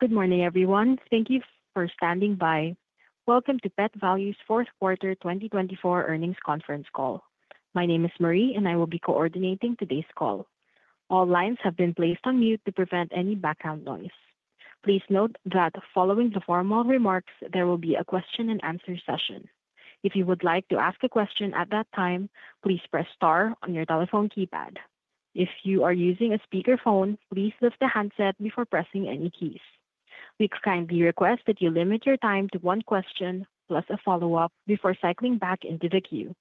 Good morning, everyone. Thank you for standing by. Welcome to Pet Valu's fourth quarter 2024 earnings conference call. My name is Marie, and I will be coordinating today's call. All lines have been placed on mute to prevent any background noise. Please note that following the formal remarks, there will be a question-and-answer session. If you would like to ask a question at that time, please press star on your telephone keypad. If you are using a speakerphone, please lift the handset before pressing any keys. We kindly request that you limit your time to one question plus a follow-up before cycling back into the queue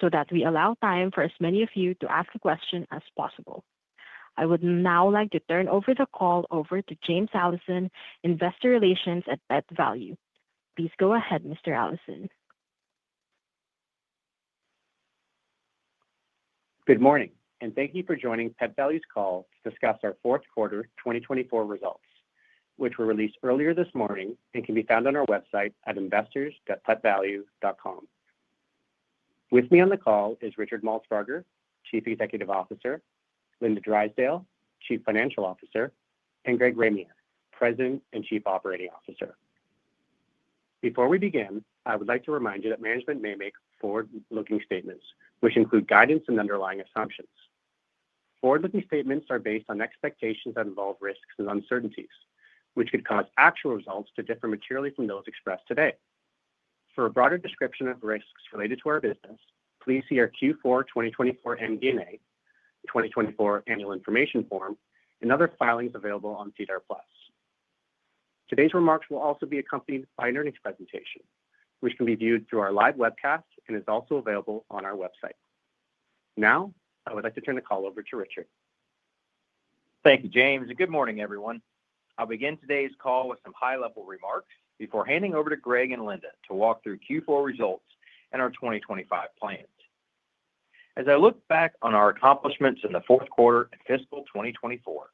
so that we allow time for as many of you to ask a question as possible. I would now like to turn the call over to James Allison, Investor Relations at Pet Valu. Please go ahead, Mr. Allison. Good morning, and thank you for joining Pet Valu's call to discuss our fourth quarter 2024 results, which were released earlier this morning and can be found on our website at investors.petvalu.com. With me on the call is Richard Maltsbarger, Chief Executive Officer, Linda Drysdale, Chief Financial Officer, and Greg Ramier, President and Chief Operating Officer. Before we begin, I would like to remind you that management may make forward-looking statements, which include guidance and underlying assumptions. Forward-looking statements are based on expectations that involve risks and uncertainties, which could cause actual results to differ materially from those expressed today. For a broader description of risks related to our business, please see our Q4 2024 MD&A, 2024 Annual Information Form, and other filings available on SEDAR Plus. Today's remarks will also be accompanied by an earnings presentation, which can be viewed through our live webcast and is also available on our website. Now, I would like to turn the call over to Richard. Thank you, James, and good morning, everyone. I'll begin today's call with some high-level remarks before handing over to Greg and Linda to walk through Q4 results and our 2025 plans. As I look back on our accomplishments in the fourth quarter of fiscal 2024,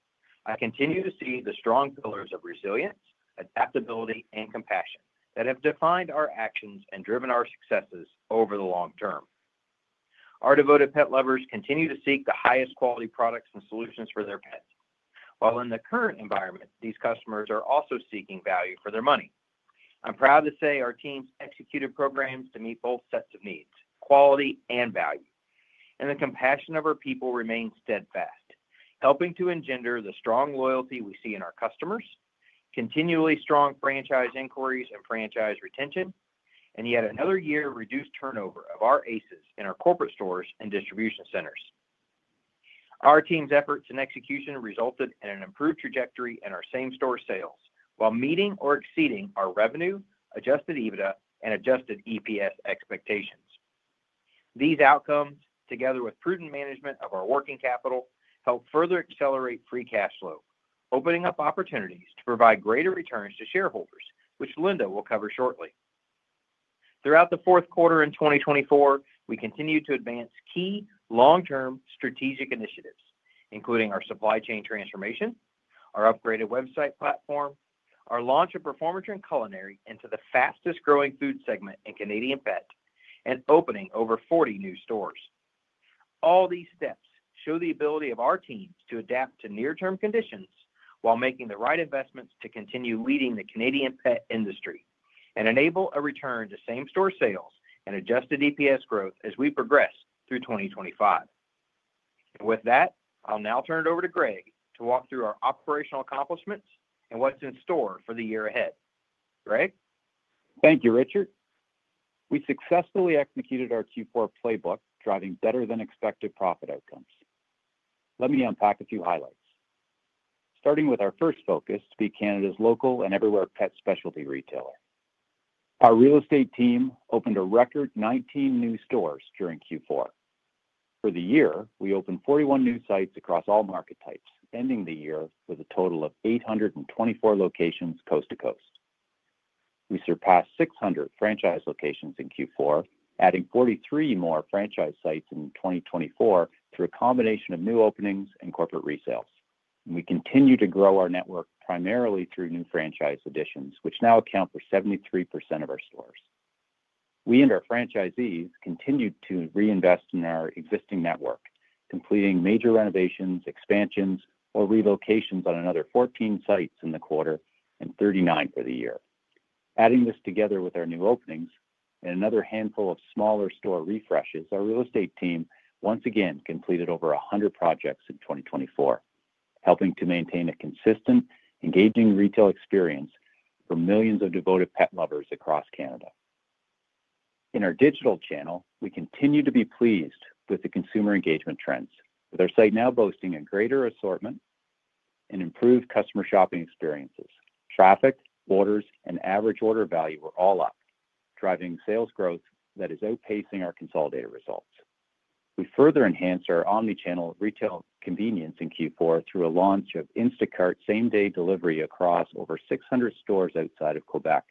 I continue to see the strong pillars of resilience, adaptability, and compassion that have defined our actions and driven our successes over the long term. Our devoted pet lovers continue to seek the highest quality products and solutions for their pets, while in the current environment, these customers are also seeking value for their money. I'm proud to say our teams executed programs to meet both sets of needs: quality and value. The compassion of our people remains steadfast, helping to engender the strong loyalty we see in our customers, continually strong franchise inquiries and franchise retention, and yet another year of reduced turnover of our ACEs in our corporate stores and distribution centers. Our team's efforts and execution resulted in an improved trajectory in our same-store sales while meeting or exceeding our revenue, adjusted EBITDA, and adjusted EPS expectations. These outcomes, together with prudent management of our working capital, help further accelerate free cash flow, opening up opportunities to provide greater returns to shareholders, which Linda will cover shortly. Throughout the fourth quarter in 2024, we continue to advance key long-term strategic initiatives, including our supply chain transformation, our upgraded website platform, our launch of Performatrin Culinary into the fastest-growing food segment in Canadian pet, and opening over 40 new stores. All these steps show the ability of our teams to adapt to near-term conditions while making the right investments to continue leading the Canadian pet industry and enable a return to same-store sales and adjusted EPS growth as we progress through 2025. With that, I'll now turn it over to Greg to walk through our operational accomplishments and what's in store for the year ahead. Greg? Thank you, Richard. We successfully executed our Q4 playbook, driving better-than-expected profit outcomes. Let me unpack a few highlights. Starting with our first focus to be Canada's local and everywhere pet specialty retailer. Our real estate team opened a record 19 new stores during Q4. For the year, we opened 41 new sites across all market types, ending the year with a total of 824 locations coast to coast. We surpassed 600 franchise locations in Q4, adding 43 more franchise sites in 2024 through a combination of new openings and corporate resales. We continue to grow our network primarily through new franchise additions, which now account for 73% of our stores. We and our franchisees continued to reinvest in our existing network, completing major renovations, expansions, or relocations on another 14 sites in the quarter and 39 for the year. Adding this together with our new openings and another handful of smaller store refreshes, our real estate team once again completed over 100 projects in 2024, helping to maintain a consistent, engaging retail experience for millions of devoted pet lovers across Canada. In our digital channel, we continue to be pleased with the consumer engagement trends, with our site now boasting a greater assortment and improved customer shopping experiences. Traffic, orders, and average order value were all up, driving sales growth that is outpacing our consolidated results. We further enhanced our omnichannel retail convenience in Q4 through a launch of Instacart same-day delivery across over 600 stores outside of Quebec,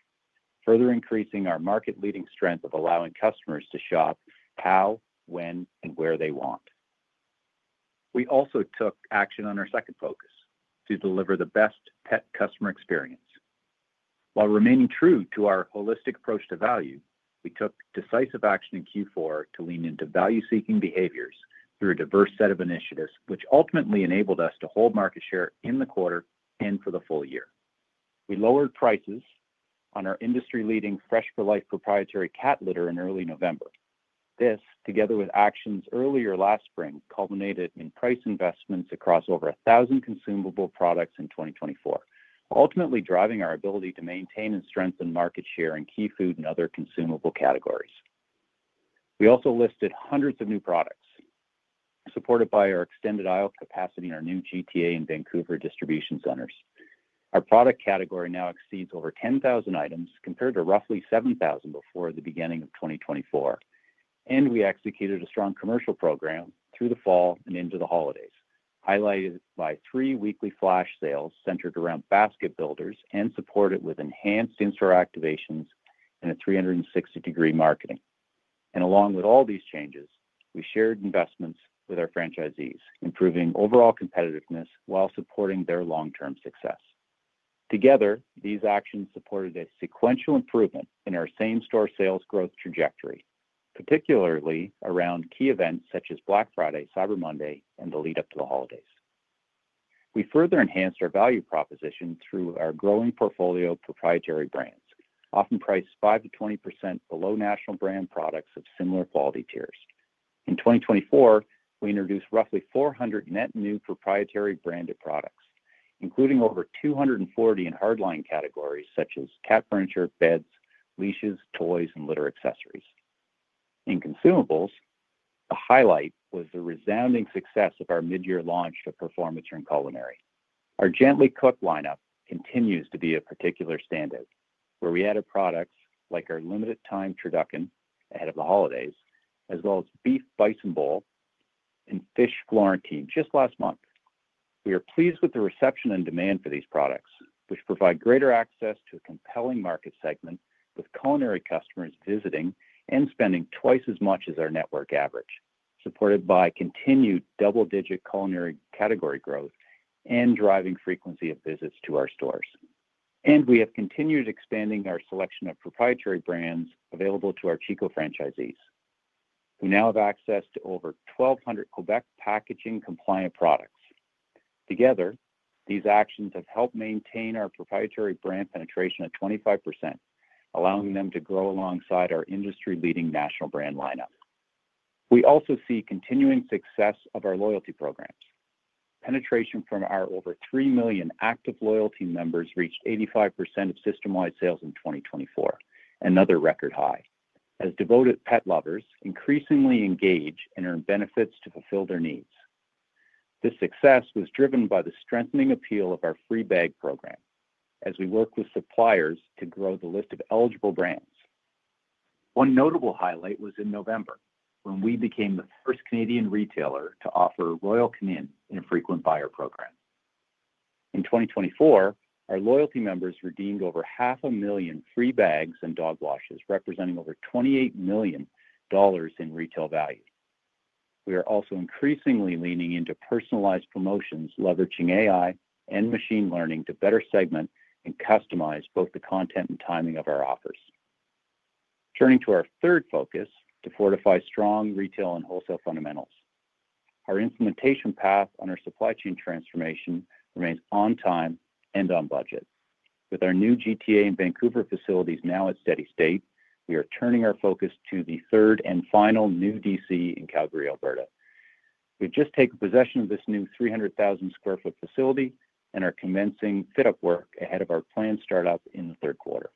further increasing our market-leading strength of allowing customers to shop how, when, and where they want. We also took action on our second focus to deliver the best pet customer experience. While remaining true to our holistic approach to value, we took decisive action in Q4 to lean into value-seeking behaviors through a diverse set of initiatives, which ultimately enabled us to hold market share in the quarter and for the full year. We lowered prices on our industry-leading Fresh for Life proprietary cat litter in early November. This, together with actions earlier last spring, culminated in price investments across over 1,000 consumable products in 2024, ultimately driving our ability to maintain and strengthen market share in key food and other consumable categories. We also listed hundreds of new products, supported by our extended aisle capacity in our new Greater Toronto Area and Vancouver distribution centers. Our product category now exceeds over 10,000 items, compared to roughly 7,000 before the beginning of 2024. We executed a strong commercial program through the fall and into the holidays, highlighted by three weekly flash sales centered around basket builders and supported with enhanced in-store activations and a 360-degree marketing. Along with all these changes, we shared investments with our franchisees, improving overall competitiveness while supporting their long-term success. Together, these actions supported a sequential improvement in our same-store sales growth trajectory, particularly around key events such as Black Friday, Cyber Monday, and the lead-up to the holidays. We further enhanced our value proposition through our growing portfolio of proprietary brands, often priced 5% to 20% below national brand products of similar quality tiers. In 2024, we introduced roughly 400 net new proprietary branded products, including over 240 in hardline categories such as cat furniture, beds, leashes, toys, and litter accessories. In consumables, a highlight was the resounding success of our mid-year launch of Performatrin Culinary. Our gently cooked lineup continues to be a particular standout, where we added products like our limited-time TruDuckin ahead of the holidays, as well as Beef Bison Bowl and Fish Florentine just last month. We are pleased with the reception and demand for these products, which provide greater access to a compelling market segment with culinary customers visiting and spending twice as much as our network average, supported by continued double-digit culinary category growth and driving frequency of visits to our stores. We have continued expanding our selection of proprietary brands available to our Chico franchisees, who now have access to over 1,200 Quebec packaging-compliant products. Together, these actions have helped maintain our proprietary brand penetration at 25%, allowing them to grow alongside our industry-leading national brand lineup. We also see continuing success of our loyalty programs. Penetration from our over 3 million active loyalty members reached 85% of system-wide sales in 2024, another record high, as devoted pet lovers increasingly engage and earn benefits to fulfill their needs. This success was driven by the strengthening appeal of our Free Bag Program, as we work with suppliers to grow the list of eligible brands. One notable highlight was in November, when we became the first Canadian retailer to offer Royal Canin in a frequent buyer program. In 2024, our loyalty members redeemed over 500,000 free bags and dog washes, representing over 28 million dollars in retail value. We are also increasingly leaning into personalized promotions, leveraging AI and machine learning to better segment and customize both the content and timing of our offers. Turning to our third focus to fortify strong retail and wholesale fundamentals, our implementation path on our supply chain transformation remains on time and on budget. With our new GTA and Vancouver facilities now at steady state, we are turning our focus to the third and final new DC in Calgary, Alberta. We've just taken possession of this new 300,000 sq ft facility and are commencing fit-up work ahead of our planned startup in the third quarter.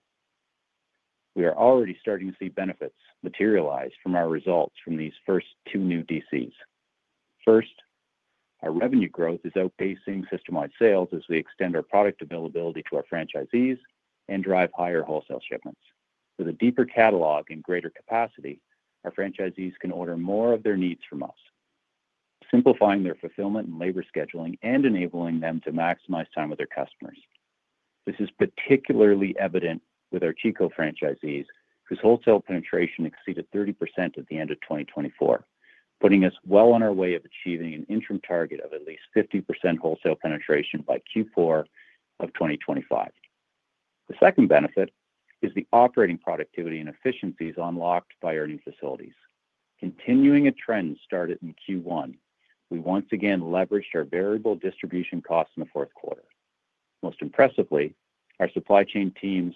We are already starting to see benefits materialize from our results from these first two new DCs. First, our revenue growth is outpacing system-wide sales as we extend our product availability to our franchisees and drive higher wholesale shipments. With a deeper catalog and greater capacity, our franchisees can order more of their needs from us, simplifying their fulfillment and labor scheduling and enabling them to maximize time with their customers. This is particularly evident with our Chico franchisees, whose wholesale penetration exceeded 30% at the end of 2024, putting us well on our way of achieving an interim target of at least 50% wholesale penetration by Q4 of 2025. The second benefit is the operating productivity and efficiencies unlocked by our new facilities. Continuing a trend started in Q1, we once again leveraged our variable distribution costs in the fourth quarter. Most impressively, our supply chain teams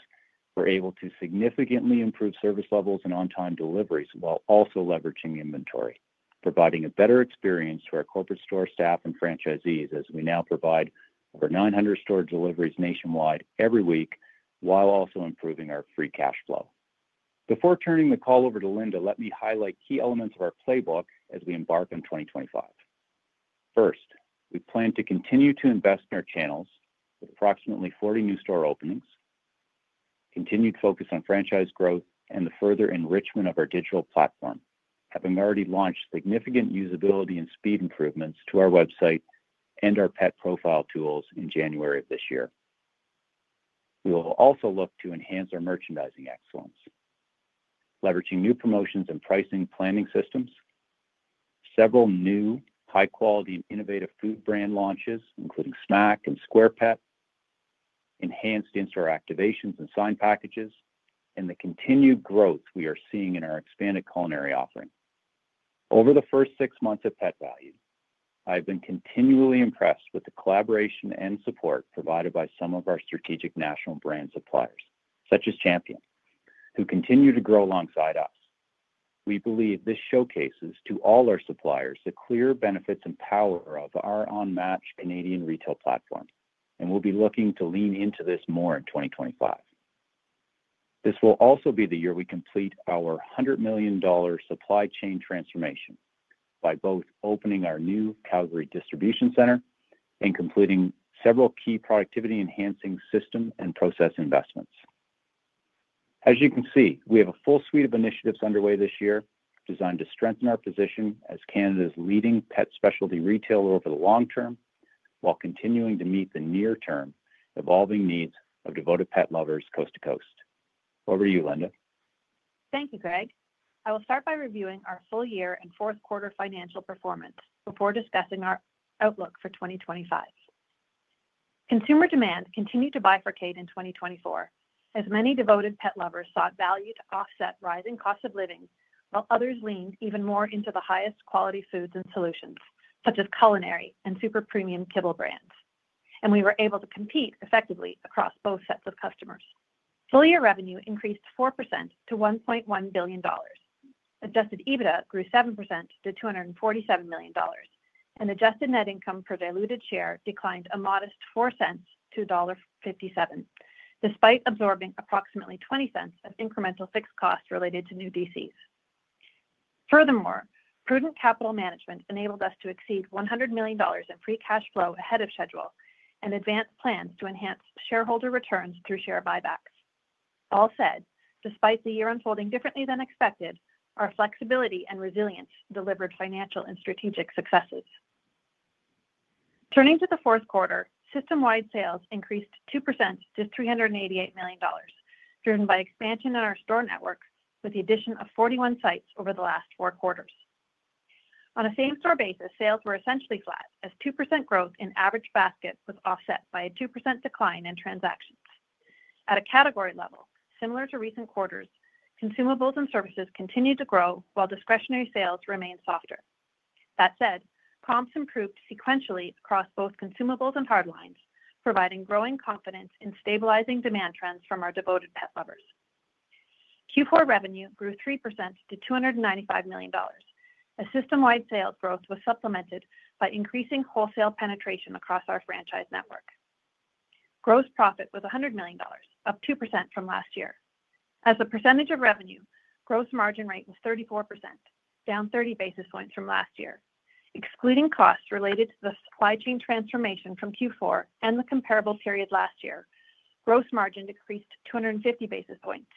were able to significantly improve service levels and on-time deliveries while also leveraging inventory, providing a better experience to our corporate store staff and franchisees as we now provide over 900 store deliveries nationwide every week, while also improving our free cash flow. Before turning the call over to Linda, let me highlight key elements of our playbook as we embark on 2025. First, we plan to continue to invest in our channels with approximately 40 new store openings, continued focus on franchise growth, and the further enrichment of our digital platform, having already launched significant usability and speed improvements to our website and our Pet Profile tools in January of this year. We will also look to enhance our merchandising excellence, leveraging new promotions and pricing planning systems, several new high-quality and innovative food brand launches, including Smack and SquarePet, enhanced in-store activations and sign packages, and the continued growth we are seeing in our expanded Culinary offering. Over the first six months of Pet Valu, I have been continually impressed with the collaboration and support provided by some of our strategic national brand suppliers, such as Champion, who continue to grow alongside us. We believe this showcases to all our suppliers the clear benefits and power of our unmatched Canadian retail platform, and we'll be looking to lean into this more in 2025. This will also be the year we complete our 100 million dollar supply chain transformation by both opening our new Calgary distribution center and completing several key productivity-enhancing system and process investments. As you can see, we have a full suite of initiatives underway this year designed to strengthen our position as Canada's leading pet specialty retailer over the long term while continuing to meet the near-term evolving needs of devoted pet lovers coast to coast. Over to you, Linda. Thank you, Greg. I will start by reviewing our full-year and fourth quarter financial performance before discussing our outlook for 2025. Consumer demand continued to bifurcate in 2024 as many devoted pet lovers sought value to offset rising costs of living, while others leaned even more into the highest quality foods and solutions, such as Culinary and super-premium kibble brands. We were able to compete effectively across both sets of customers. Full year revenue increased 4% to 1.1 billion dollars. Adjusted EBITDA grew 7% to 247 million dollars, and adjusted net income per diluted share declined a modest $0.04 to $1.57, despite absorbing approximately $0.20 of incremental fixed costs related to new DCs. Furthermore, prudent capital management enabled us to exceed 100 million dollars in free cash flow ahead of schedule and advance plans to enhance shareholder returns through share buybacks. All said, despite the year unfolding differently than expected, our flexibility and resilience delivered financial and strategic successes. Turning to the fourth quarter, system-wide sales increased 2% to 388 million dollars, driven by expansion in our store network with the addition of 41 sites over the last four quarters. On a same-store basis, sales were essentially flat, as 2% growth in average baskets was offset by a 2% decline in transactions. At a category level, similar to recent quarters, consumables and services continued to grow while discretionary sales remained softer. That said, comps improved sequentially across both consumables and hardlines, providing growing confidence in stabilizing demand trends from our devoted pet lovers. Q4 revenue grew 3% to 295 million dollars. The system-wide sales growth was supplemented by increasing wholesale penetration across our franchise network. Gross profit was 100 million dollars, up 2% from last year. As a percentage of revenue, gross margin rate was 34%, down 30 basis points from last year. Excluding costs related to the supply chain transformation from Q4 and the comparable period last year, gross margin decreased 250 basis points,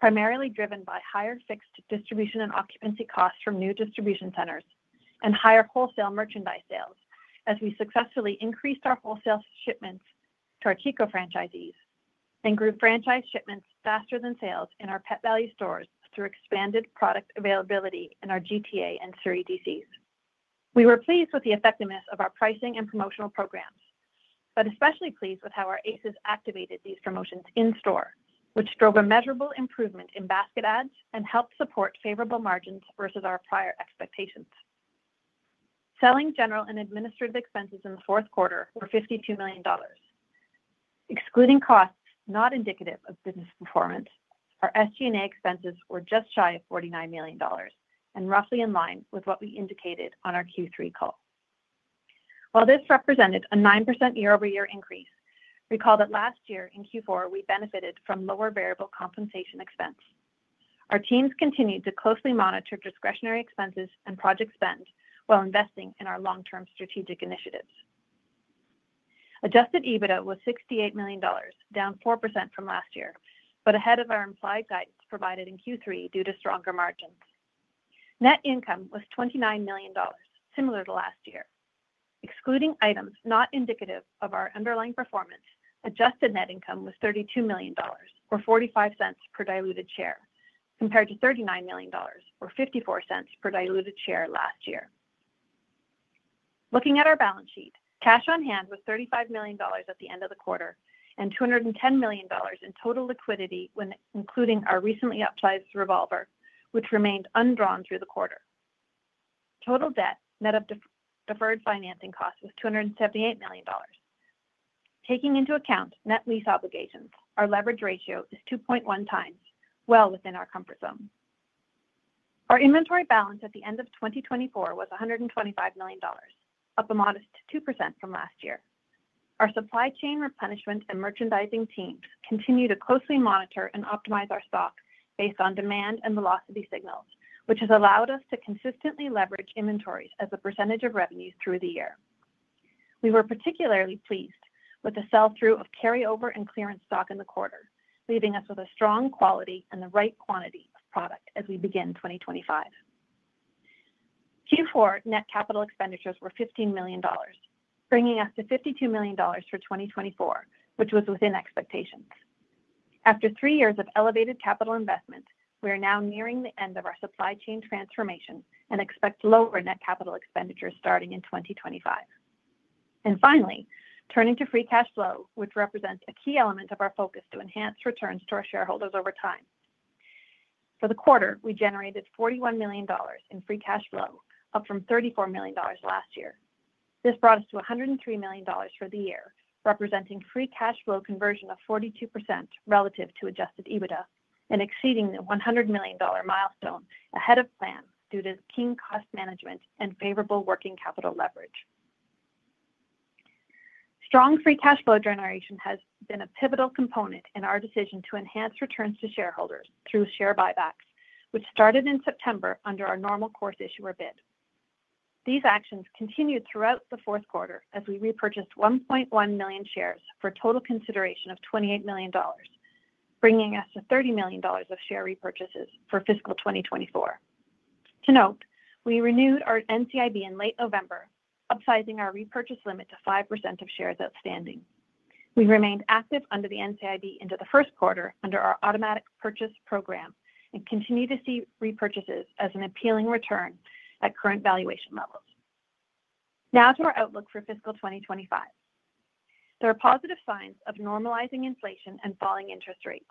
primarily driven by higher fixed distribution and occupancy costs from new distribution centers and higher wholesale merchandise sales, as we successfully increased our wholesale shipments to our Chico franchisees and group franchise shipments faster than sales in our Pet Valu stores through expanded product availability in our GTA and Surrey DCs. We were pleased with the effectiveness of our pricing and promotional programs, but especially pleased with how our ACEs activated these promotions in store, which drove a measurable improvement in basket adds and helped support favorable margins versus our prior expectations. Selling, general and administrative expenses in the fourth quarter were 52 million dollars. Excluding costs not indicative of business performance, our SG&A expenses were just shy of 49 million dollars and roughly in line with what we indicated on our Q3 call. While this represented a 9% year-over-year increase, recall that last year in Q4 we benefited from lower variable compensation expense. Our teams continued to closely monitor discretionary expenses and project spend while investing in our long-term strategic initiatives. Adjusted EBITDA was 68 million dollars, down 4% from last year, but ahead of our implied guidance provided in Q3 due to stronger margins. Net income was 29 million dollars, similar to last year. Excluding items not indicative of our underlying performance, adjusted net income was 32 million dollars, or 0.45 per diluted share, compared to 39 million dollars, or 0.54 per diluted share last year. Looking at our balance sheet, cash on hand was 35 million dollars at the end of the quarter and 210 million dollars in total liquidity, including our recently upsized revolver, which remained undrawn through the quarter. Total debt, net of deferred financing costs, was 278 million dollars. Taking into account net lease obligations, our leverage ratio is 2.1x, well within our comfort zone. Our inventory balance at the end of 2024 was 125 million dollars, up a modest 2% from last year. Our supply chain replenishment and merchandising teams continue to closely monitor and optimize our stock based on demand and velocity signals, which has allowed us to consistently leverage inventories as a percentage of revenues through the year. We were particularly pleased with the sell-through of carryover and clearance stock in the quarter, leaving us with a strong quality and the right quantity of product as we begin 2025. Q4 net capital expenditures were 15 million dollars, bringing us to 52 million dollars for 2024, which was within expectations. After three years of elevated capital investment, we are now nearing the end of our supply chain transformation and expect lower net capital expenditures starting in 2025. Finally, turning to free cash flow, which represents a key element of our focus to enhance returns to our shareholders over time. For the quarter, we generated 41 million dollars in free cash flow, up from 34 million dollars last year. This brought us to 103 million dollars for the year, representing free cash flow conversion of 42% relative to adjusted EBITDA and exceeding the 100 million dollar milestone ahead of plan due to keen cost management and favorable working capital leverage. Strong free cash flow generation has been a pivotal component in our decision to enhance returns to shareholders through share buybacks, which started in September under our Normal Course Issuer Bid. These actions continued throughout the fourth quarter as we repurchased 1.1 million shares for a total consideration of 28 million dollars, bringing us to 30 million dollars of share repurchases for fiscal 2024. To note, we renewed our NCIB in late November, upsizing our repurchase limit to 5% of shares outstanding. We remained active under the NCIB into the first quarter under our automatic purchase program and continue to see repurchases as an appealing return at current valuation levels. Now to our outlook for fiscal 2025. There are positive signs of normalizing inflation and falling interest rates,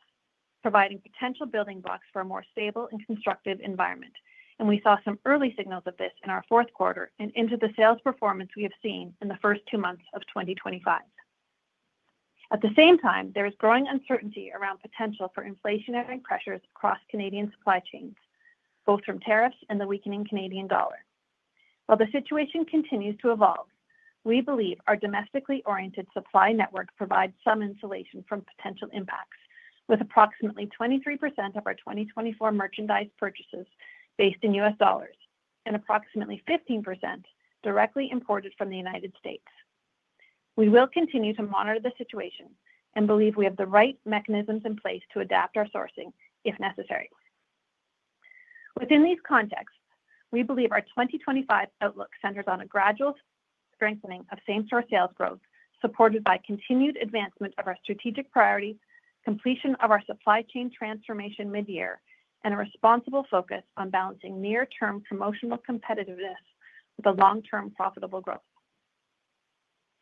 providing potential building blocks for a more stable and constructive environment. We saw some early signals of this in our fourth quarter and into the sales performance we have seen in the first two months of 2025. At the same time, there is growing uncertainty around potential for inflationary pressures across Canadian supply chains, both from tariffs and the weakening Canadian dollar. While the situation continues to evolve, we believe our domestically oriented supply network provides some insulation from potential impacts, with approximately 23% of our 2024 merchandise purchases based in U.S. dollars and approximately 15% directly imported from the United States. We will continue to monitor the situation and believe we have the right mechanisms in place to adapt our sourcing if necessary. Within these contexts, we believe our 2025 outlook centers on a gradual strengthening of same-store sales growth, supported by continued advancement of our strategic priorities, completion of our supply chain transformation mid-year, and a responsible focus on balancing near-term promotional competitiveness with a long-term profitable growth.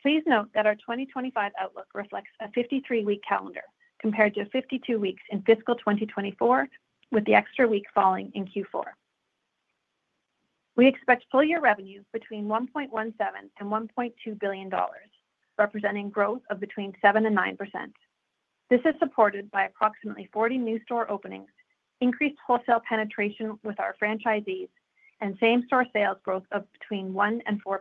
Please note that our 2025 outlook reflects a 53-week calendar compared to 52 weeks in fiscal 2024, with the extra week falling in Q4. We expect full-year revenue between 1.17 billion and 1.2 billion dollars, representing growth of between 7% and 9%. This is supported by approximately 40 new store openings, increased wholesale penetration with our franchisees, and same-store sales growth of between 1% and 4%.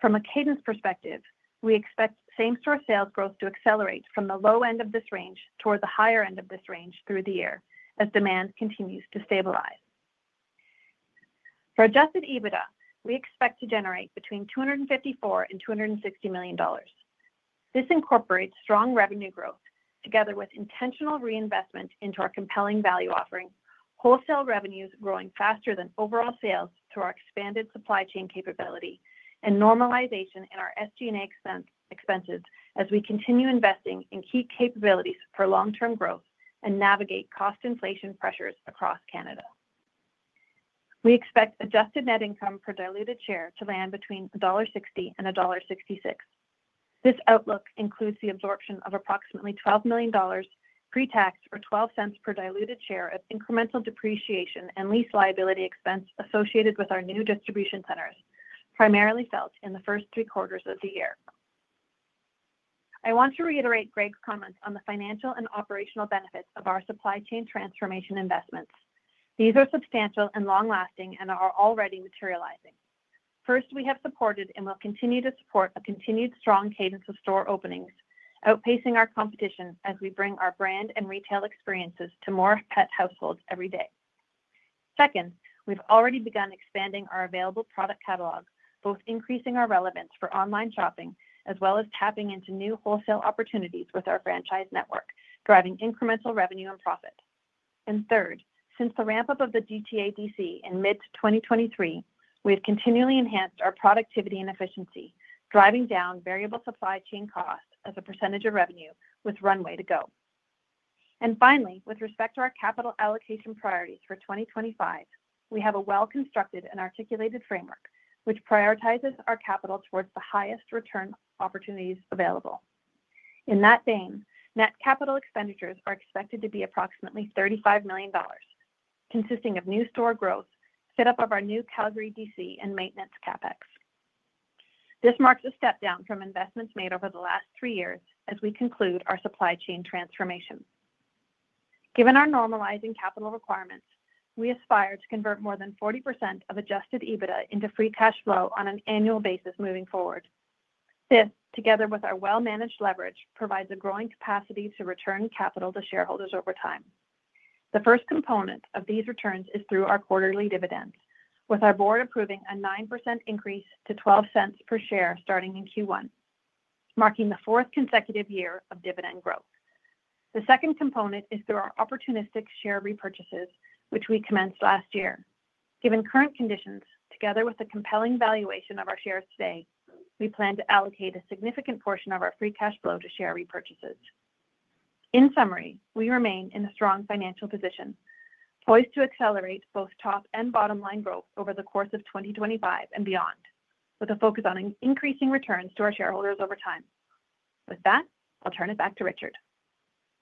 From a cadence perspective, we expect same-store sales growth to accelerate from the low end of this range toward the higher end of this range through the year as demand continues to stabilize. For adjusted EBITDA, we expect to generate between 254 million and 260 million dollars. This incorporates strong revenue growth together with intentional reinvestment into our compelling value offering, wholesale revenues growing faster than overall sales through our expanded supply chain capability, and normalization in our SG&A expenses as we continue investing in key capabilities for long-term growth and navigate cost inflation pressures across Canada. We expect adjusted net income per diluted share to land between dollar 1.60 and dollar 1.66. This outlook includes the absorption of approximately 12 million dollars pre-tax or 0.12 per diluted share of incremental depreciation and lease liability expense associated with our new distribution centers, primarily felt in the first three quarters of the year. I want to reiterate Greg's comments on the financial and operational benefits of our supply chain transformation investments. These are substantial and long-lasting and are already materializing. First, we have supported and will continue to support a continued strong cadence of store openings, outpacing our competition as we bring our brand and retail experiences to more pet households every day. Second, we have already begun expanding our available product catalog, both increasing our relevance for online shopping as well as tapping into new wholesale opportunities with our franchise network, driving incremental revenue and profit. Third, since the ramp-up of the GTA DC in mid-2023, we have continually enhanced our productivity and efficiency, driving down variable supply chain costs as a percentage of revenue with runway to go. Finally, with respect to our capital allocation priorities for 2025, we have a well-constructed and articulated framework, which prioritizes our capital towards the highest return opportunities available. In that vein, net capital expenditures are expected to be approximately 35 million dollars, consisting of new store growth, setup of our new Calgary DC, and maintenance CapEx. This marks a step down from investments made over the last three years as we conclude our supply chain transformation. Given our normalizing capital requirements, we aspire to convert more than 40% of adjusted EBITDA into free cash flow on an annual basis moving forward. This, together with our well-managed leverage, provides a growing capacity to return capital to shareholders over time. The first component of these returns is through our quarterly dividends, with our board approving a 9% increase to 0.12 per share starting in Q1, marking the fourth consecutive year of dividend growth. The second component is through our opportunistic share repurchases, which we commenced last year. Given current conditions, together with the compelling valuation of our shares today, we plan to allocate a significant portion of our free cash flow to share repurchases. In summary, we remain in a strong financial position, poised to accelerate both top and bottom line growth over the course of 2025 and beyond, with a focus on increasing returns to our shareholders over time. With that, I'll turn it back to Richard.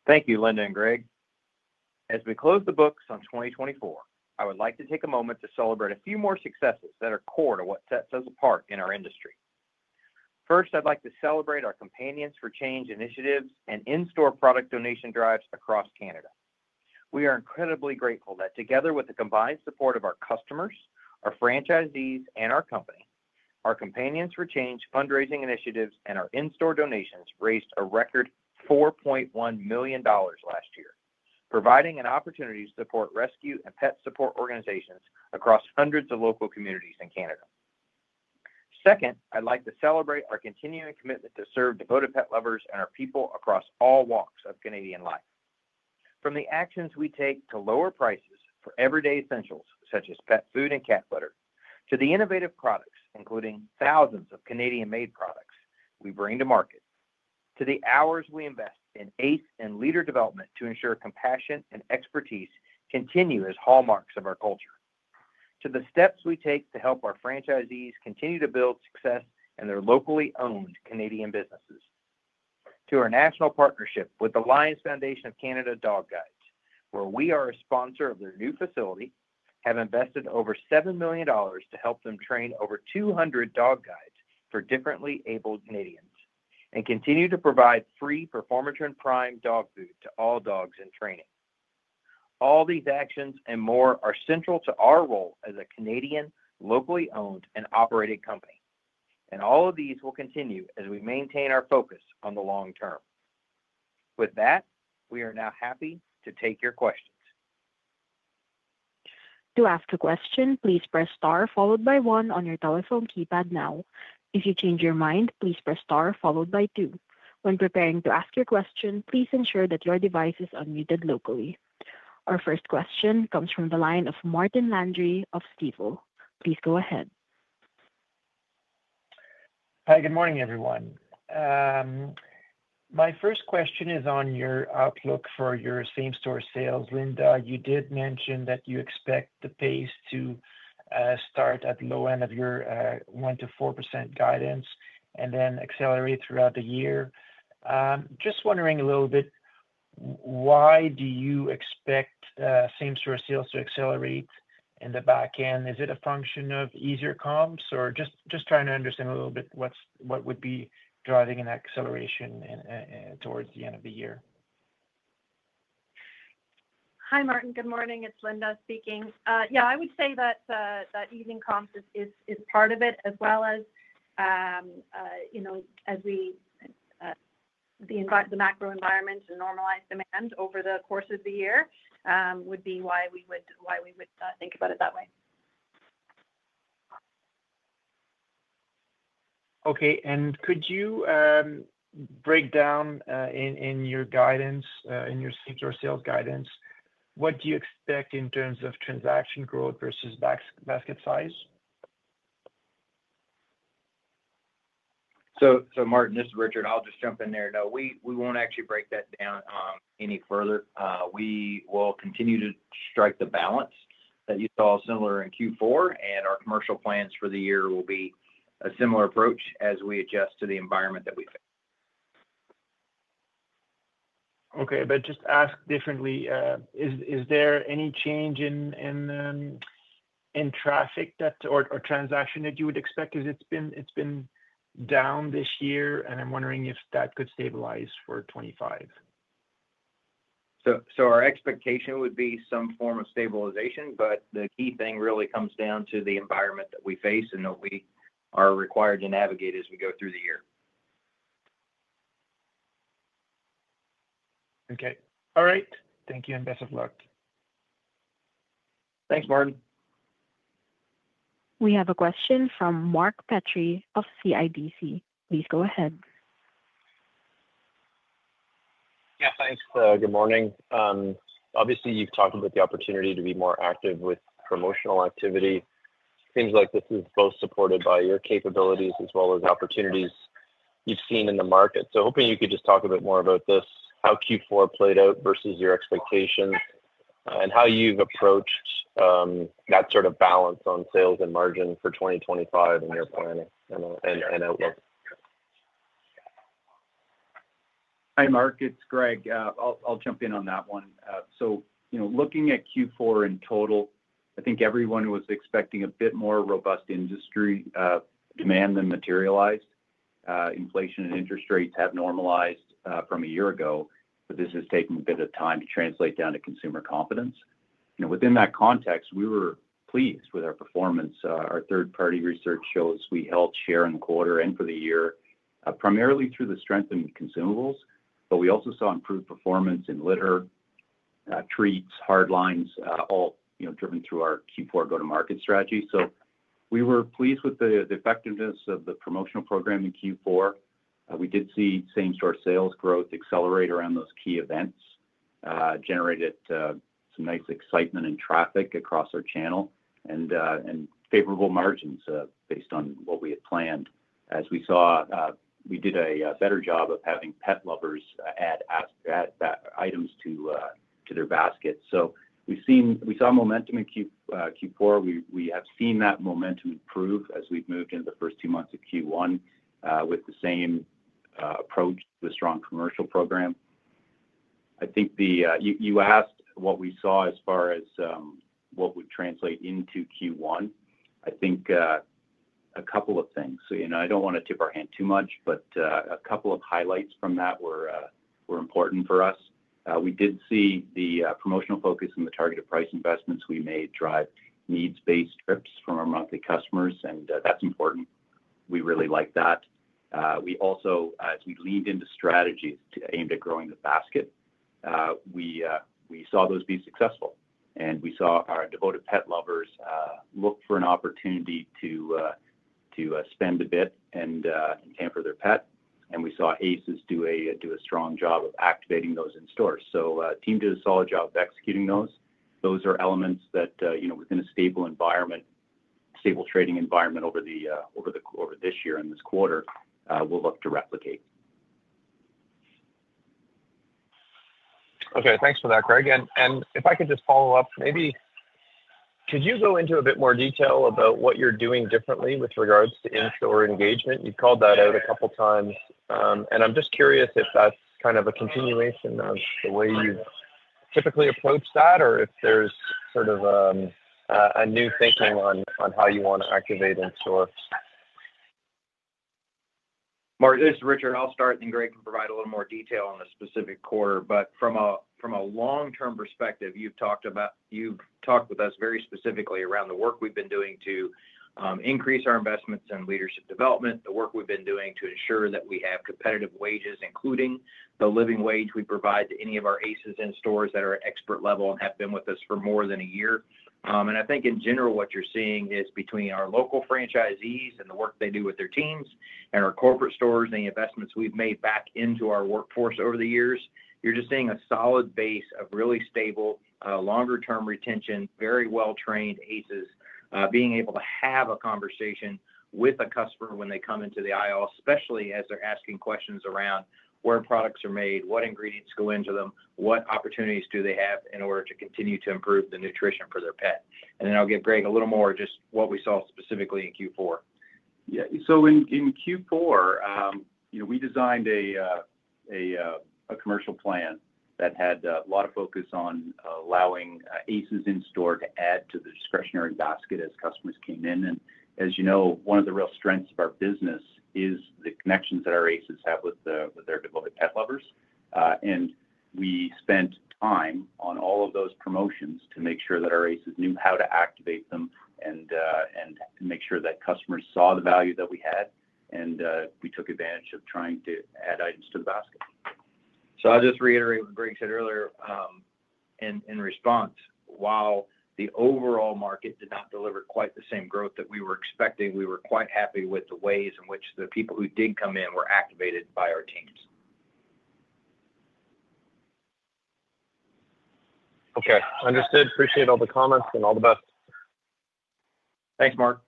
Thank you, Linda and Greg. As we close the books on 2024, I would like to take a moment to celebrate a few more successes that are core to what sets us apart in our industry. First, I'd like to celebrate our Companions for Change initiatives and in-store product donation drives across Canada. We are incredibly grateful that together with the combined support of our customers, our franchisees, and our company, our Companions for Change fundraising initiatives and our in-store donations raised a record 4.1 million dollars last year, providing an opportunity to support rescue and pet support organizations across hundreds of local communities in Canada. Second, I'd like to celebrate our continuing commitment to serve devoted pet lovers and our people across all walks of Canadian life. From the actions we take to lower prices for everyday essentials such as pet food and cat litter to the innovative products, including thousands of Canadian-made products we bring to market, to the hours we invest in ACE and leader development to ensure compassion and expertise continue as hallmarks of our culture, to the steps we take to help our franchisees continue to build success in their locally owned Canadian businesses, to our national partnership with the Lions Foundation of Canada Dog Guides, where we are a sponsor of their new facility, have invested over 7 million dollars to help them train over 200 dog guides for differently abled Canadians and continue to provide free Performer Trend Prime dog food to all dogs in training. All these actions and more are central to our role as a Canadian, locally owned and operated company, and all of these will continue as we maintain our focus on the long term. With that, we are now happy to take your questions. To ask a question, please press star followed by one on your telephone keypad now. If you change your mind, please press star followed by two. When preparing to ask your question, please ensure that your device is unmuted locally. Our first question comes from the line of Martin Landry of Stifel. Please go ahead. Hi, good morning, everyone. My first question is on your outlook for your same-store sales. Linda, you did mention that you expect the pace to start at the low end of your 1% to 4% guidance and then accelerate throughout the year. Just wondering a little bit, why do you expect same-store sales to accelerate in the back end? Is it a function of easier comps or just trying to understand a little bit what would be driving an acceleration towards the end of the year? Hi, Martin. Good morning. It's Linda speaking. Yeah, I would say that easing comps is part of it, as well as the macro environment and normalized demand over the course of the year would be why we would think about it that way. Okay. Could you break down in your guidance, in your same-store sales guidance, what do you expect in terms of transaction growth versus basket size? Martin, this is Richard. I'll just jump in there. No, we won't actually break that down any further. We will continue to strike the balance that you saw similar in Q4, and our commercial plans for the year will be a similar approach as we adjust to the environment that we face. Okay. Just to ask differently, is there any change in traffic or transaction that you would expect? Because it's been down this year, and I'm wondering if that could stabilize for 2025. Our expectation would be some form of stabilization, but the key thing really comes down to the environment that we face and that we are required to navigate as we go through the year. Okay. All right. Thank you, and best of luck. Thanks, Martin. We have a question from Mark Petrie of CIBC. Please go ahead. Yeah, thanks. Good morning. Obviously, you've talked about the opportunity to be more active with promotional activity. It seems like this is both supported by your capabilities as well as opportunities you've seen in the market. Hoping you could just talk a bit more about this, how Q4 played out versus your expectations, and how you've approached that sort of balance on sales and margin for 2025 in your planning and outlook. Hi, Mark. It's Greg. I'll jump in on that one. Looking at Q4 in total, I think everyone was expecting a bit more robust industry demand than materialized. Inflation and interest rates have normalized from a year ago, but this has taken a bit of time to translate down to consumer confidence. Within that context, we were pleased with our performance. Our third-party research shows we held share in the quarter and for the year, primarily through the strengthened consumables, but we also saw improved performance in litter, treats, hard lines, all driven through our Q4 go-to-market strategy. We were pleased with the effectiveness of the promotional program in Q4. We did see same-store sales growth accelerate around those key events, generated some nice excitement and traffic across our channel, and favorable margins based on what we had planned as we saw we did a better job of having pet lovers add items to their basket. We saw momentum in Q4. We have seen that momentum improve as we've moved into the first two months of Q1 with the same approach to a strong commercial program. I think you asked what we saw as far as what would translate into Q1. I think a couple of things. I do not want to tip our hand too much, but a couple of highlights from that were important for us. We did see the promotional focus and the targeted price investments we made drive needs-based trips from our monthly customers, and that is important. We really like that. We also, as we leaned into strategies to aim to growing the basket, we saw those be successful, and we saw our devoted pet lovers look for an opportunity to spend a bit and tamper their pet. We saw ACEs do a strong job of activating those in store. The team did a solid job of executing those. Those are elements that, within a stable environment, stable trading environment over this year and this quarter, we will look to replicate. Okay. Thanks for that, Greg. If I could just follow up, maybe could you go into a bit more detail about what you're doing differently with regards to in-store engagement? You've called that out a couple of times, and I'm just curious if that's kind of a continuation of the way you typically approach that or if there's sort of a new thinking on how you want to activate in-store. Mark, this is Richard. I'll start, and Greg can provide a little more detail on the specific quarter. From a long-term perspective, you've talked with us very specifically around the work we've been doing to increase our investments in leadership development, the work we've been doing to ensure that we have competitive wages, including the living wage we provide to any of our ACEs in stores that are expert level and have been with us for more than a year. I think, in general, what you're seeing is between our local franchisees and the work they do with their teams and our corporate stores and the investments we've made back into our workforce over the years, you're just seeing a solid base of really stable, longer-term retention, very well-trained ACEs being able to have a conversation with a customer when they come into the aisle, especially as they're asking questions around where products are made, what ingredients go into them, what opportunities do they have in order to continue to improve the nutrition for their pet. I'll give Greg a little more of just what we saw specifically in Q4. In Q4, we designed a commercial plan that had a lot of focus on allowing ACEs in store to add to the discretionary basket as customers came in. As you know, one of the real strengths of our business is the connections that our ACEs have with their devoted pet lovers. We spent time on all of those promotions to make sure that our ACEs knew how to activate them and make sure that customers saw the value that we had, and we took advantage of trying to add items to the basket. I'll just reiterate what Greg said earlier. In response, while the overall market did not deliver quite the same growth that we were expecting, we were quite happy with the ways in which the people who did come in were activated by our teams. Okay. Understood. Appreciate all the comments and all the best. Thanks, Mark.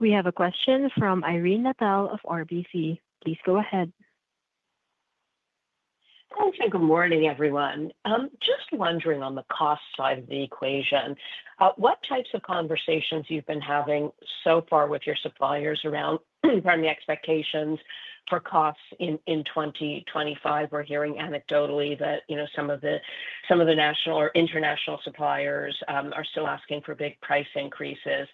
We have a question from Irene Nattel of RBC. Please go ahead. Thanks. Good morning, everyone. Just wondering on the cost side of the equation, what types of conversations you've been having so far with your suppliers around, pardon me, expectations for costs in 2025? We're hearing anecdotally that some of the national or international suppliers are still asking for big price increases.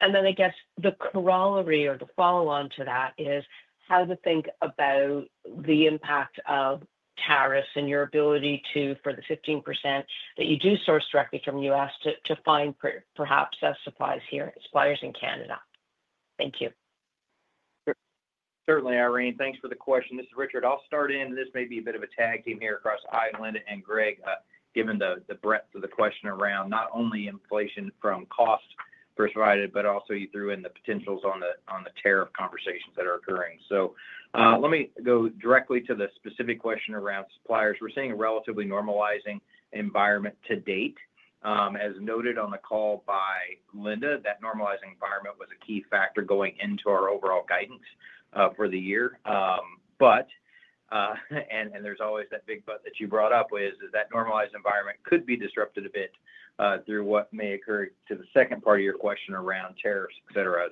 I guess the corollary or the follow-on to that is how to think about the impact of tariffs and your ability to, for the 15% that you do source directly from the U.S., to find perhaps suppliers in Canada. Thank you. Certainly, Irene. Thanks for the question. This is Richard. I'll start in, and this may be a bit of a tag team here across Irene and Greg, given the breadth of the question around not only inflation from costs perspective, but also you threw in the potentials on the tariff conversations that are occurring. Let me go directly to the specific question around suppliers. We're seeing a relatively normalizing environment to date. As noted on the call by Linda, that normalizing environment was a key factor going into our overall guidance for the year. There's always that big but that you brought up is that normalized environment could be disrupted a bit through what may occur to the second part of your question around tariffs, etc.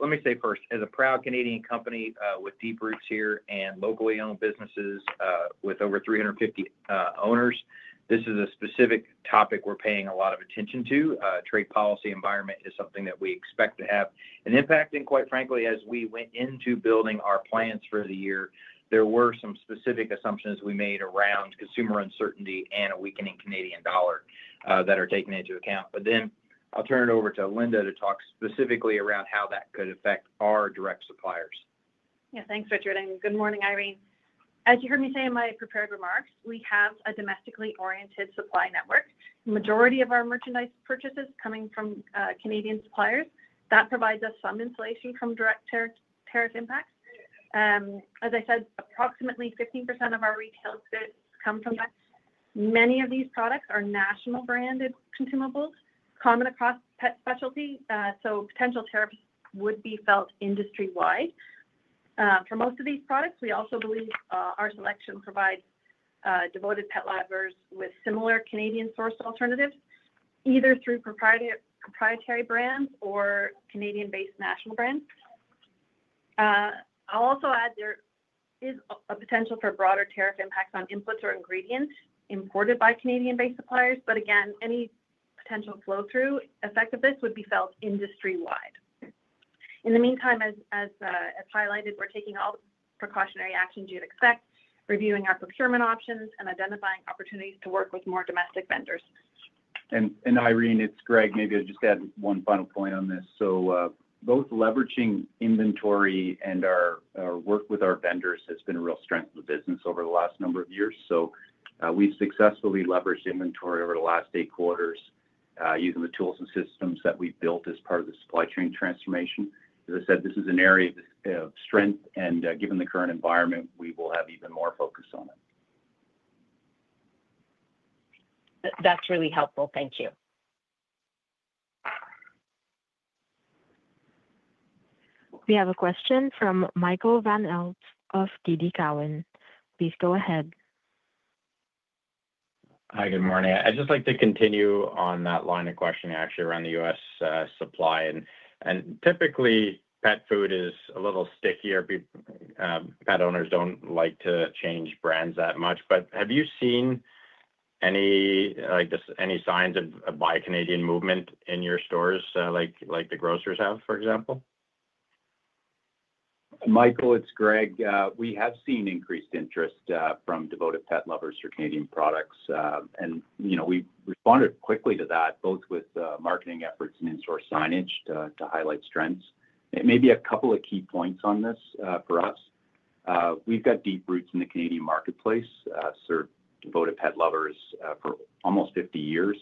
Let me say first, as a proud Canadian company with deep roots here and locally owned businesses with over 350 owners, this is a specific topic we're paying a lot of attention to. Trade policy environment is something that we expect to have an impact. Quite frankly, as we went into building our plans for the year, there were some specific assumptions we made around consumer uncertainty and a weakening Canadian dollar that are taken into account. I will turn it over to Linda to talk specifically around how that could affect our direct suppliers. Yeah. Thanks, Richard. Good morning, Irene. As you heard me say in my prepared remarks, we have a domestically oriented supply network. The majority of our merchandise purchases are coming from Canadian suppliers. That provides us some insulation from direct tariff impacts. As I said, approximately 15% of our retail goods come from that. Many of these products are national branded consumables, common across pet specialty. Potential tariffs would be felt industry-wide. For most of these products, we also believe our selection provides devoted pet lovers with similar Canadian-sourced alternatives, either through proprietary brands or Canadian-based national brands. I'll also add there is a potential for broader tariff impacts on inputs or ingredients imported by Canadian-based suppliers. Again, any potential flow-through effectiveness would be felt industry-wide. In the meantime, as highlighted, we're taking all the precautionary actions you'd expect, reviewing our procurement options, and identifying opportunities to work with more domestic vendors. Irene, it's Greg. Maybe I'll just add one final point on this. Both leveraging inventory and our work with our vendors has been a real strength of the business over the last number of years. We've successfully leveraged inventory over the last eight quarters using the tools and systems that we've built as part of the supply chain transformation. As I said, this is an area of strength, and given the current environment, we will have even more focus on it. That's really helpful. Thank you. We have a question from Michael Van Aelst of TD Cowen. Please go ahead. Hi, good morning. I'd just like to continue on that line of questioning, actually, around the U.S. supply. Typically, pet food is a little stickier. Pet owners don't like to change brands that much. Have you seen any signs of a buy Canadian movement in your stores, like the grocers have, for example? Michael, it's Greg. We have seen increased interest from devoted pet lovers for Canadian products. We responded quickly to that, both with marketing efforts and in-store signage to highlight strengths. Maybe a couple of key points on this for us. We've got deep roots in the Canadian marketplace, served devoted pet lovers for almost 50 years.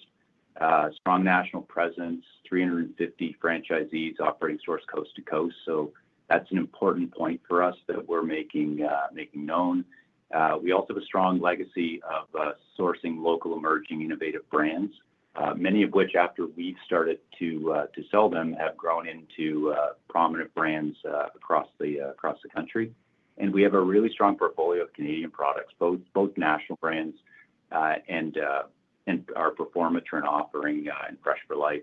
Strong national presence, 350 franchisees operating stores coast to coast. That is an important point for us that we're making known. We also have a strong legacy of sourcing local emerging innovative brands, many of which, after we've started to sell them, have grown into prominent brands across the country. We have a really strong portfolio of Canadian products, both national brands and our performance and offering in Fresh-for-Life.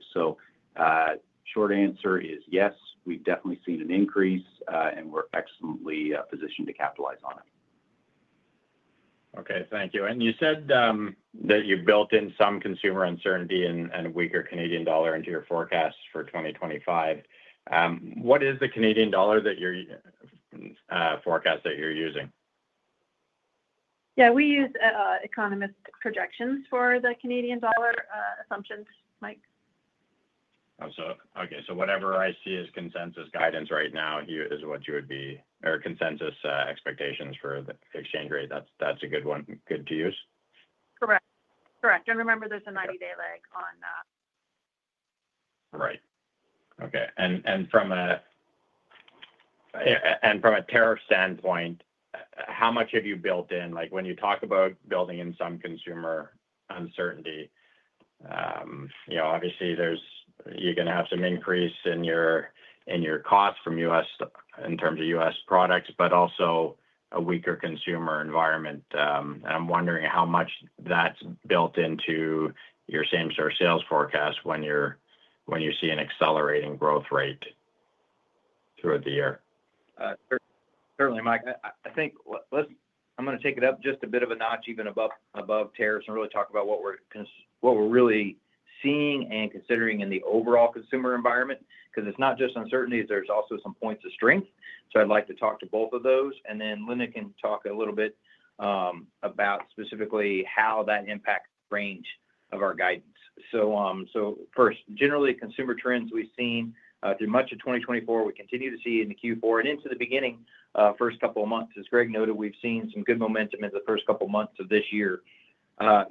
Short answer is yes. We've definitely seen an increase, and we're excellently positioned to capitalize on it. Okay. Thank you. You said that you built in some consumer uncertainty and a weaker Canadian dollar into your forecast for 2025. What is the Canadian dollar forecast that you're using? Yeah. We use economist projections for the Canadian dollar assumptions, Mike. Okay. Whatever I see as consensus guidance right now, here is what you would be or consensus expectations for the exchange rate. That's a good one to use. Correct. Correct. Remember, there's a 90-day leg on that. Right. From a tariff standpoint, how much have you built in? When you talk about building in some consumer uncertainty, obviously, you're going to have some increase in your costs from U.S. in terms of U.S. products, but also a weaker consumer environment. I'm wondering how much that's built into your same-store sales forecast when you see an accelerating growth rate throughout the year. Certainly, Mike. I think I'm going to take it up just a bit of a notch, even above tariffs, and really talk about what we're really seeing and considering in the overall consumer environment because it's not just uncertainty. There's also some points of strength. I'd like to talk to both of those. Then Linda can talk a little bit about specifically how that impacts range of our guidance. First, generally, consumer trends we've seen through much of 2024, we continue to see in Q4 and into the beginning first couple of months. As Greg noted, we've seen some good momentum in the first couple of months of this year.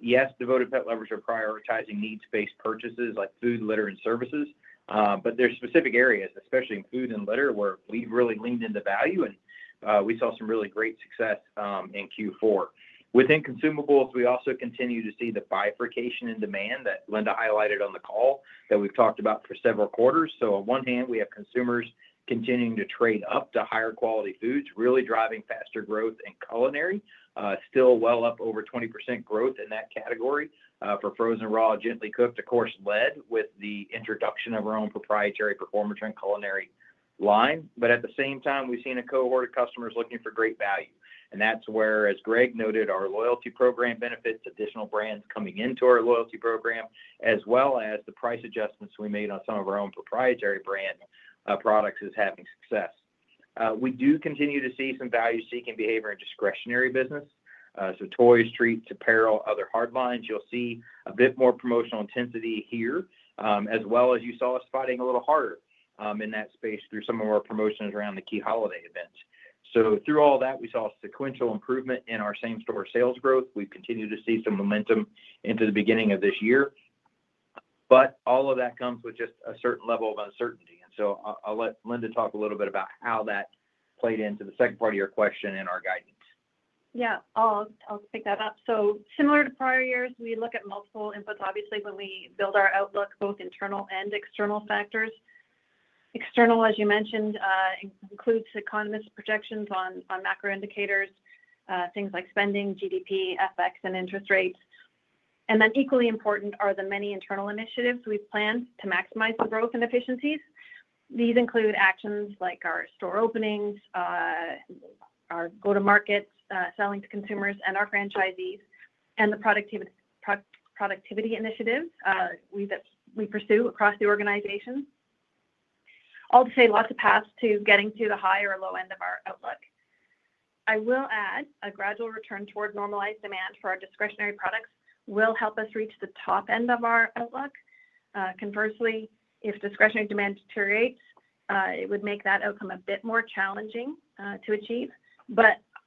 Yes, devoted pet lovers are prioritizing needs-based purchases like food, litter, and services. There are specific areas, especially in food and litter, where we've really leaned into value, and we saw some really great success in Q4. Within consumables, we also continue to see the bifurcation in demand that Linda highlighted on the call that we've talked about for several quarters. On one hand, we have consumers continuing to trade up to higher quality foods, really driving faster growth in culinary, still well up over 20% growth in that category for frozen raw, gently cooked, of course, led with the introduction of our own proprietary Performer Trend Culinary line. At the same time, we've seen a cohort of customers looking for great value. That's where, as Greg noted, our loyalty program benefits, additional brands coming into our loyalty program, as well as the price adjustments we made on some of our own proprietary brand products, is having success. We do continue to see some value-seeking behavior in discretionary business. Toys, treats, apparel, other hard lines, you'll see a bit more promotional intensity here, as well as you saw us fighting a little harder in that space through some of our promotions around the key holiday events. Through all that, we saw sequential improvement in our same-store sales growth. We've continued to see some momentum into the beginning of this year. All of that comes with just a certain level of uncertainty. I'll let Linda talk a little bit about how that played into the second part of your question and our guidance. Yeah. I'll pick that up. Similar to prior years, we look at multiple inputs, obviously, when we build our outlook, both internal and external factors. External, as you mentioned, includes economist projections on macro indicators, things like spending, GDP, FX, and interest rates. Equally important are the many internal initiatives we've planned to maximize the growth and efficiencies. These include actions like our store openings, our go-to-markets, selling to consumers, and our franchisees, and the productivity initiatives we pursue across the organization. All to say, lots of paths to getting to the high or low end of our outlook. I will add, a gradual return toward normalized demand for our discretionary products will help us reach the top end of our outlook. Conversely, if discretionary demand deteriorates, it would make that outcome a bit more challenging to achieve.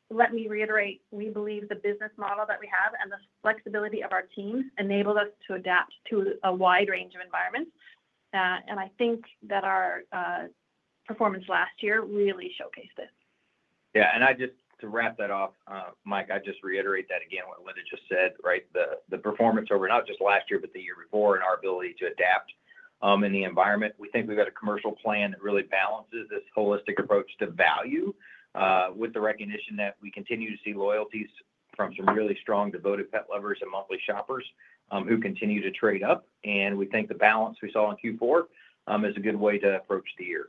Let me reiterate, we believe the business model that we have and the flexibility of our teams enabled us to adapt to a wide range of environments. I think that our performance last year really showcased it. Yeah. To wrap that off, Mike, I'd just reiterate that again, what Linda just said, right? The performance over not just last year, but the year before and our ability to adapt in the environment. We think we've got a commercial plan that really balances this holistic approach to value with the recognition that we continue to see loyalties from some really strong devoted pet lovers and monthly shoppers who continue to trade up. We think the balance we saw in Q4 is a good way to approach the year.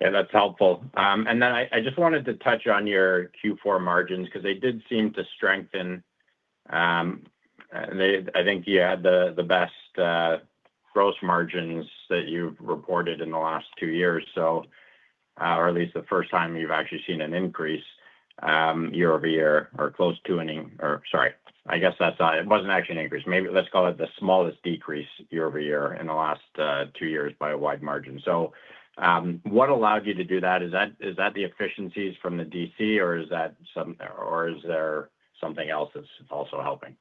Yeah. That's helpful. I just wanted to touch on your Q4 margins because they did seem to strengthen. I think you had the best gross margins that you've reported in the last two years, or at least the first time you've actually seen an increase year over year or close to an—sorry. I guess it wasn't actually an increase. Maybe let's call it the smallest decrease year over year in the last two years by a wide margin. What allowed you to do that? Is that the efficiencies from the DC, or is there something else that's also helping?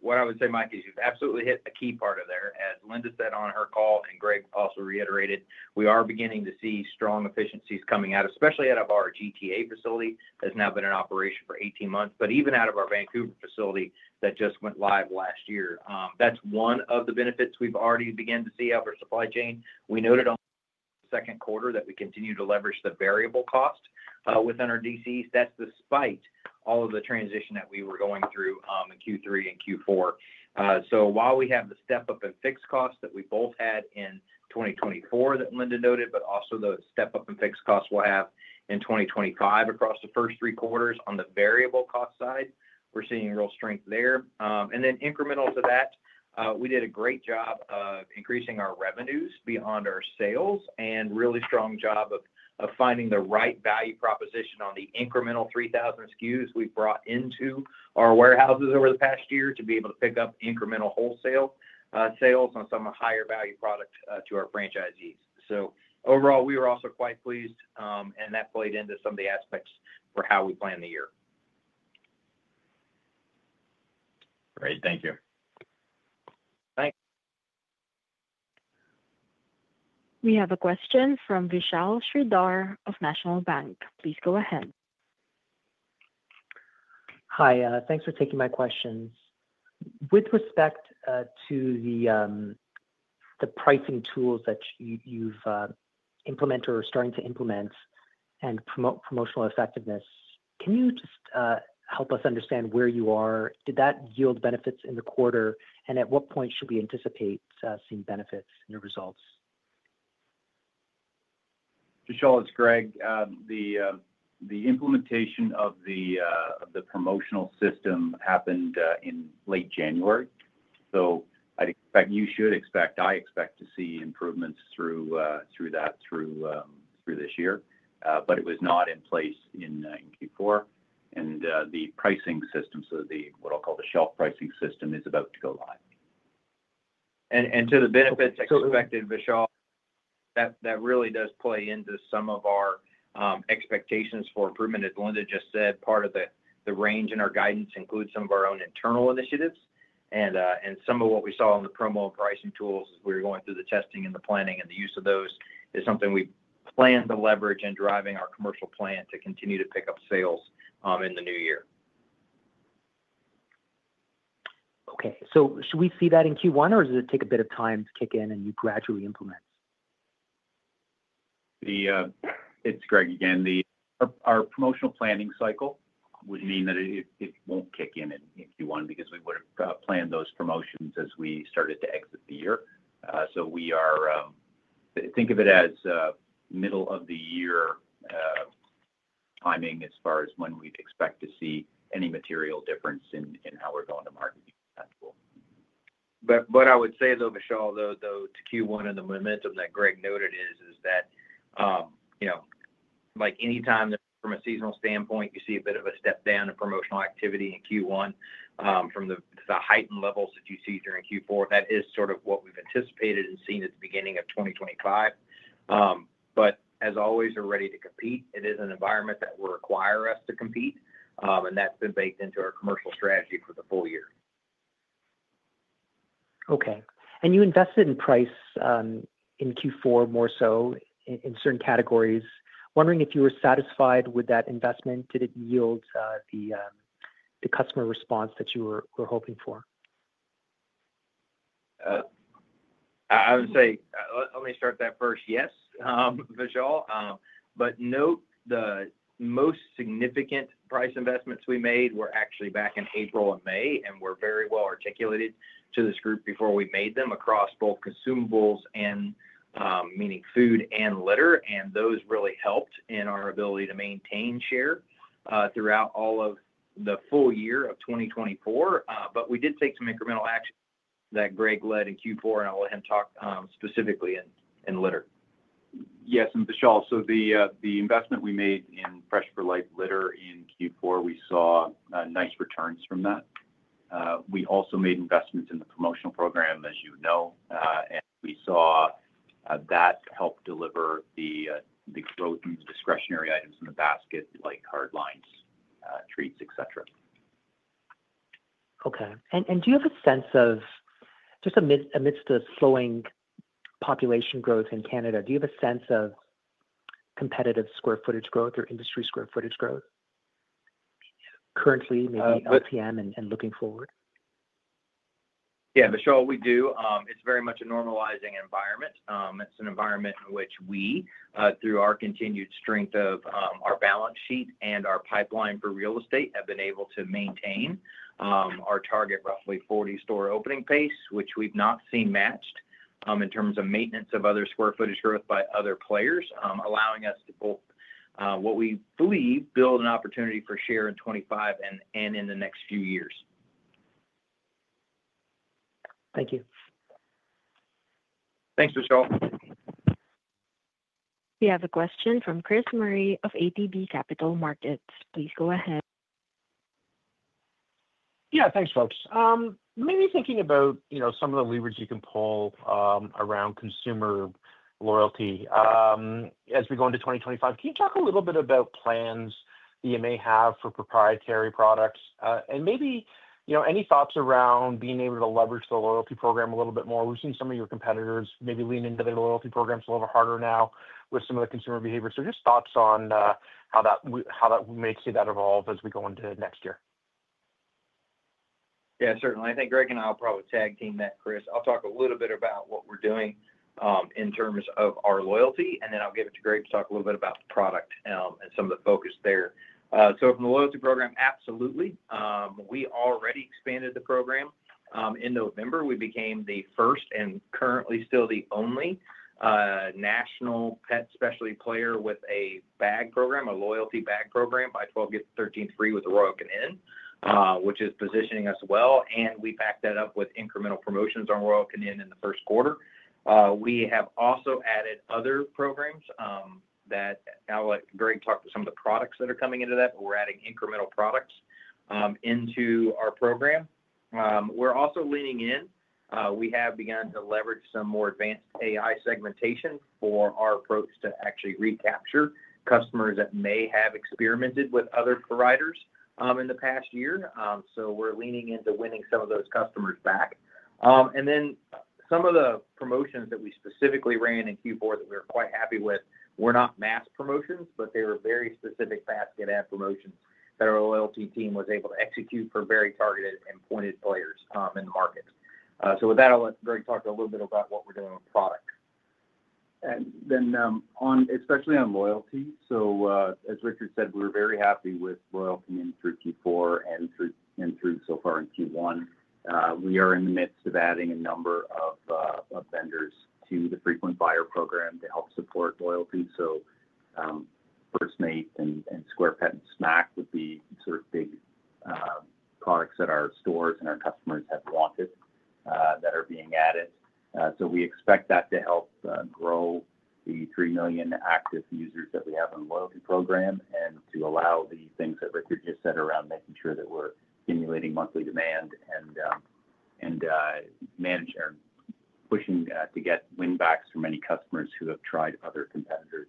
What I would say, Mike, is you've absolutely hit a key part of there. As Linda said on her call, and Greg also reiterated, we are beginning to see strong efficiencies coming out, especially out of our GTA facility that's now been in operation for 18 months, but even out of our Vancouver facility that just went live last year. That's one of the benefits we've already begun to see out of our supply chain. We noted on the second quarter that we continue to leverage the variable cost within our DCs. That's despite all of the transition that we were going through in Q3 and Q4. While we have the step-up in fixed costs that we both had in 2024 that Linda noted, but also the step-up in fixed costs we'll have in 2025 across the first three quarters, on the variable cost side, we're seeing real strength there. Incremental to that, we did a great job of increasing our revenues beyond our sales and a really strong job of finding the right value proposition on the incremental 3,000 SKUs we've brought into our warehouses over the past year to be able to pick up incremental wholesale sales on some of the higher value products to our franchisees. Overall, we were also quite pleased, and that played into some of the aspects for how we plan the year. Great. Thank you. Thanks. We have a question from Vishal Shreedhar of National Bank. Please go ahead. Hi. Thanks for taking my questions. With respect to the pricing tools that you've implemented or are starting to implement and promote promotional effectiveness, can you just help us understand where you are? Did that yield benefits in the quarter? At what point should we anticipate seeing benefits in your results? Vishal, it's Greg. The implementation of the promotional system happened in late January. I expect to see improvements through that through this year. It was not in place in Q4. The pricing system, what I'll call the shelf pricing system, is about to go live. To the benefits expected, Vishal, that really does play into some of our expectations for improvement. As Linda just said, part of the range in our guidance includes some of our own internal initiatives. Some of what we saw on the promo and pricing tools as we were going through the testing and the planning and the use of those is something we plan to leverage in driving our commercial plan to continue to pick up sales in the new year. Okay. Should we see that in Q1, or does it take a bit of time to kick in and you gradually implement? It's Greg again. Our promotional planning cycle would mean that it won't kick in in Q1 because we would have planned those promotions as we started to exit the year. Think of it as middle-of-the-year timing as far as when we'd expect to see any material difference in how we're going to market. What I would say, though, Vishal, to Q1 and the momentum that Greg noted is that anytime from a seasonal standpoint, you see a bit of a step down in promotional activity in Q1 from the heightened levels that you see during Q4. That is sort of what we've anticipated and seen at the beginning of 2025. As always, we're ready to compete. It is an environment that will require us to compete. That's been baked into our commercial strategy for the full year. Okay. You invested in price in Q4 more so in certain categories. Wondering if you were satisfied with that investment. Did it yield the customer response that you were hoping for? I would say, let me start that first. Yes, Vishal. Note, the most significant price investments we made were actually back in April and May, and were very well articulated to this group before we made them across both consumables, meaning food and litter, and those really helped in our ability to maintain share throughout all of the full year of 2024. We did take some incremental action that Greg led in Q4, and I'll let him talk specifically in litter. Yes. Vishal, the investment we made in Fresh for Life litter in Q4, we saw nice returns from that. We also made investments in the promotional program, as you know, and we saw that help deliver the growth in the discretionary items in the basket, like hard lines, treats, etc. Okay. Do you have a sense of just amidst the slowing population growth in Canada, do you have a sense of competitive square footage growth or industry square footage growth currently, maybe LTM and looking forward? Yeah. Vishal, we do. It's very much a normalizing environment. It's an environment in which we, through our continued strength of our balance sheet and our pipeline for real estate, have been able to maintain our target, roughly 40-store opening pace, which we've not seen matched in terms of maintenance of other square footage growth by other players, allowing us to both, what we believe, build an opportunity for share in 2025 and in the next few years. Thank you. Thanks, Vishal. We have a question from Chris Murray of ATB Capital Markets. Please go ahead. Yeah. Thanks, folks. Maybe thinking about some of the levers you can pull around consumer loyalty as we go into 2025, can you talk a little bit about plans that you may have for proprietary products? And maybe any thoughts around being able to leverage the loyalty program a little bit more. We've seen some of your competitors maybe lean into their loyalty programs a little harder now with some of the consumer behavior. Just thoughts on how that may see that evolve as we go into next year. Yeah, certainly. I think Greg and I will probably tag team that, Chris. I'll talk a little bit about what we're doing in terms of our loyalty, and then I'll give it to Greg to talk a little bit about the product and some of the focus there. From the loyalty program, absolutely. We already expanded the program. In November, we became the first and currently still the only national pet specialty player with a bag program, a loyalty bag program, buy 12, the 13th free with Royal Canin, which is positioning us well. We backed that up with incremental promotions on Royal Canin in the first quarter. We have also added other programs that I'll let Greg talk to, some of the products that are coming into that, but we're adding incremental products into our program. We're also leaning in. We have begun to leverage some more advanced AI segmentation for our approach to actually recapture customers that may have experimented with other providers in the past year. We are leaning into winning some of those customers back. Some of the promotions that we specifically ran in Q4 that we were quite happy with were not mass promotions, but they were very specific basket ad promotions that our loyalty team was able to execute for very targeted and pointed players in the market. With that, I'll let Greg talk a little bit about what we're doing with product. Especially on loyalty, as Richard said, we were very happy with loyalty through Q4 and through so far in Q1. We are in the midst of adding a number of vendors to the frequent buyer program to help support loyalty. FirstMate and SquarePet and Smack would be sort of big products that our stores and our customers have wanted that are being added. We expect that to help grow the 3 million active users that we have in the loyalty program and to allow the things that Richard just said around making sure that we're stimulating monthly demand and managing or pushing to get win-backs from many customers who have tried other competitors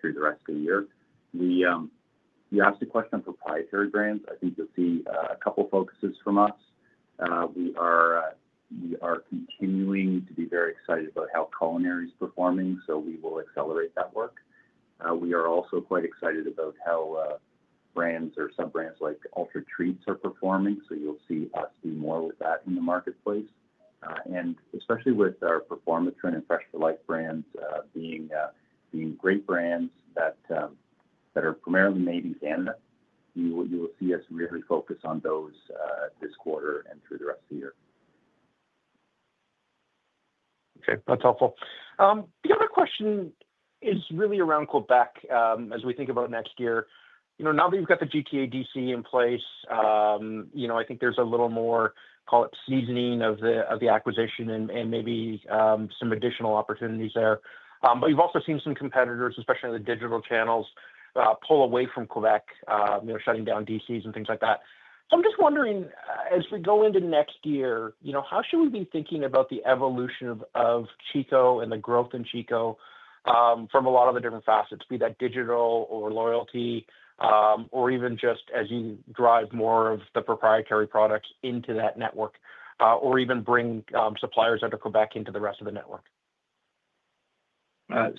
through the rest of the year. You asked a question on proprietary brands. I think you'll see a couple of focuses from us. We are continuing to be very excited about how Culinary is performing, so we will accelerate that work. We are also quite excited about how brands or sub-brands like Ultra Treats are performing. You'll see us do more with that in the marketplace. Especially with our Performatrin Trend and Fresh for Life brands being great brands that are primarily made in Canada, you will see us really focus on those this quarter and through the rest of the year. Okay. That's helpful. The other question is really around Quebec as we think about next year. Now that you've got the GTA DC in place, I think there's a little more, call it, seasoning of the acquisition and maybe some additional opportunities there. You've also seen some competitors, especially in the digital channels, pull away from Quebec, shutting down DCs and things like that. I'm just wondering, as we go into next year, how should we be thinking about the evolution of Chico and the growth in Chico from a lot of the different facets, be that digital or loyalty, or even just as you drive more of the proprietary products into that network, or even bring suppliers out of Quebec into the rest of the network?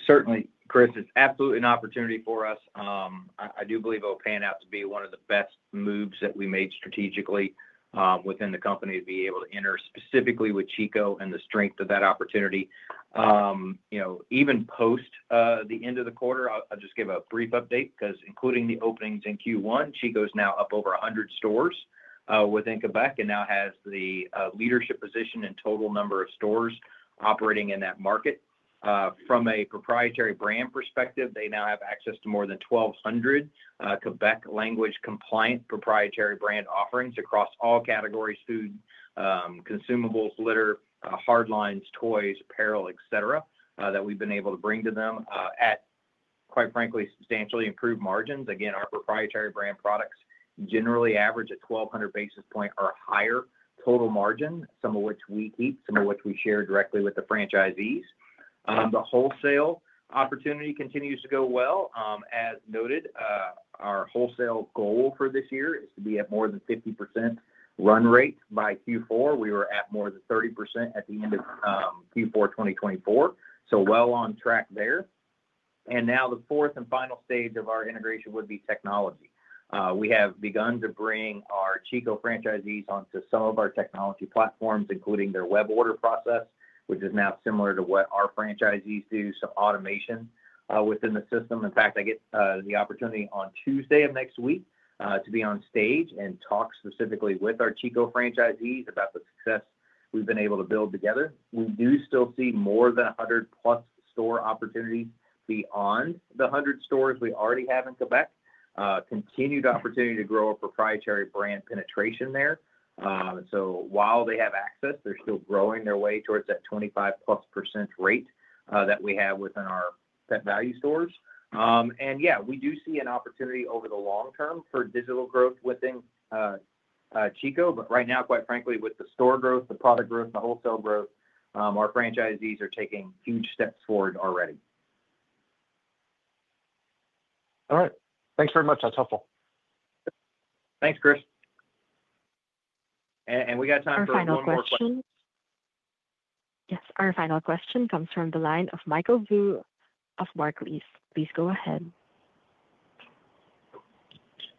Certainly, Chris, it's absolutely an opportunity for us. I do believe it will pan out to be one of the best moves that we made strategically within the company to be able to enter specifically with Chico and the strength of that opportunity. Even post the end of the quarter, I'll just give a brief update because including the openings in Q1, Chico is now up over 100 stores within Quebec and now has the leadership position in total number of stores operating in that market. From a proprietary brand perspective, they now have access to more than 1,200 Quebec language-compliant proprietary brand offerings across all categories: food, consumables, litter, hard lines, toys, apparel, etc., that we've been able to bring to them at, quite frankly, substantially improved margins. Again, our proprietary brand products generally average a 1,200 basis point or higher total margin, some of which we keep, some of which we share directly with the franchisees. The wholesale opportunity continues to go well. As noted, our wholesale goal for this year is to be at more than 50% run rate by Q4. We were at more than 30% at the end of Q4 2024, so well on track there. Now the fourth and final stage of our integration would be technology. We have begun to bring our Chico franchisees onto some of our technology platforms, including their web order process, which is now similar to what our franchisees do, some automation within the system. In fact, I get the opportunity on Tuesday of next week to be on stage and talk specifically with our Chico franchisees about the success we've been able to build together. We do still see more than 100-plus store opportunities beyond the 100 stores we already have in Quebec, continued opportunity to grow a proprietary brand penetration there. While they have access, they're still growing their way towards that 25-plus percent rate that we have within our Pet Valu stores. Yeah, we do see an opportunity over the long term for digital growth within Chico. But right now, quite frankly, with the store growth, the product growth, the wholesale growth, our franchisees are taking huge steps forward already. All right. Thanks very much. That's helpful. Thanks, Chris. We got time for one more question. Yes. Our final question comes from the line of Michael Vu of Barclays. Please go ahead.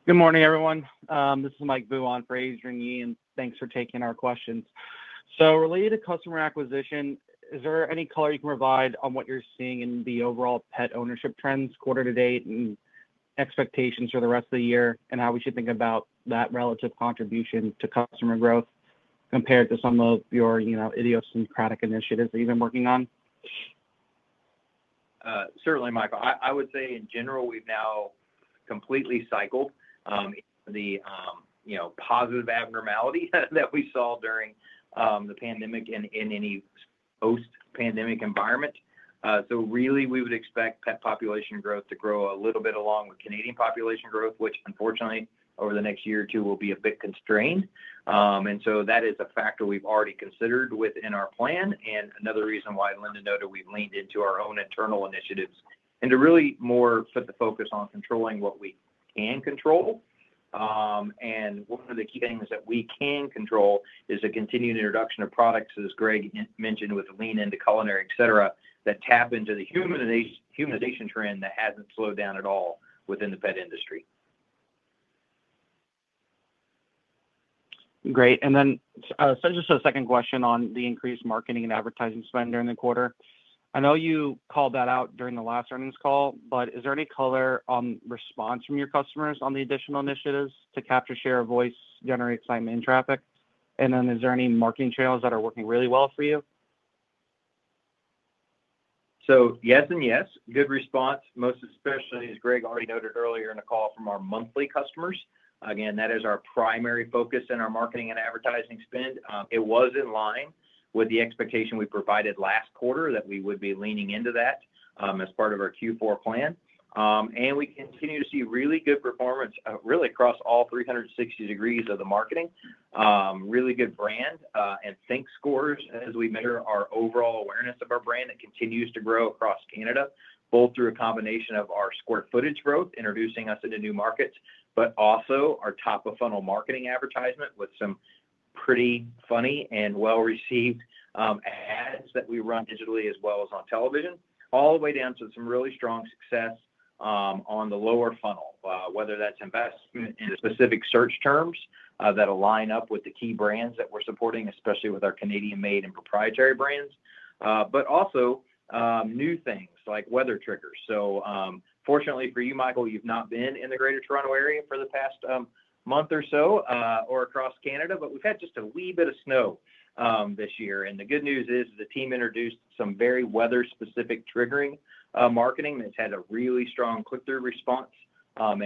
Good morning, everyone. This is Mike Vu on Fraser & Yee, and thanks for taking our questions. Related to customer acquisition, is there any color you can provide on what you're seeing in the overall pet ownership trends quarter to date and expectations for the rest of the year and how we should think about that relative contribution to customer growth compared to some of your idiosyncratic initiatives that you've been working on? Certainly, Michael. I would say, in general, we've now completely cycled the positive abnormality that we saw during the pandemic and in any post-pandemic environment. We would expect pet population growth to grow a little bit along with Canadian population growth, which, unfortunately, over the next year or two, will be a bit constrained. That is a factor we've already considered within our plan. Another reason why, Linda noted, we've leaned into our own internal initiatives and to really more put the focus on controlling what we can control. One of the key things that we can control is a continued introduction of products, as Greg mentioned, with a lean into culinary, etc., that tap into the humanization trend that hasn't slowed down at all within the pet industry. Great. Just a second question on the increased marketing and advertising spend during the quarter. I know you called that out during the last earnings call, but is there any color on response from your customers on the additional initiatives to capture share of voice, generate sign-in traffic? Is there any marketing channels that are working really well for you? Yes and yes. Good response, most especially, as Greg already noted earlier in a call from our monthly customers. Again, that is our primary focus in our marketing and advertising spend. It was in line with the expectation we provided last quarter that we would be leaning into that as part of our Q4 plan. We continue to see really good performance really across all 360 degrees of the marketing. Really good brand and think scores as we measure our overall awareness of our brand that continues to grow across Canada, both through a combination of our square footage growth, introducing us into new markets, but also our top-of-funnel marketing advertisement with some pretty funny and well-received ads that we run digitally as well as on television, all the way down to some really strong success on the lower funnel, whether that's investment in specific search terms that align up with the key brands that we're supporting, especially with our Canadian-made and proprietary brands, but also new things like weather triggers. Fortunately for you, Michael, you've not been in the Greater Toronto Area for the past month or so or across Canada, but we've had just a wee bit of snow this year. The good news is the team introduced some very weather-specific triggering marketing that's had a really strong click-through response.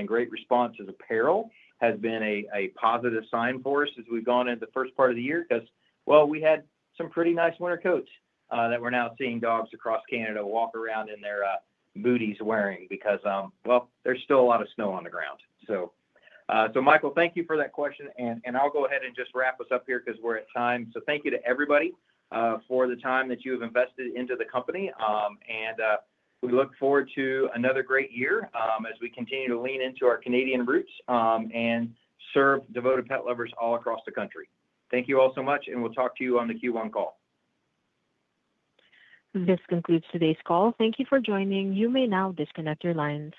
Great response as apparel has been a positive sign for us as we've gone into the first part of the year because, you know, we had some pretty nice winter coats that we're now seeing dogs across Canada walk around in their booties wearing because, you know, there's still a lot of snow on the ground. Michael, thank you for that question. I'll go ahead and just wrap us up here because we're at time. Thank you to everybody for the time that you have invested into the company. We look forward to another great year as we continue to lean into our Canadian roots and serve devoted pet lovers all across the country. Thank you all so much, and we'll talk to you on the Q1 call. This concludes today's call. Thank you for joining. You may now disconnect your lines.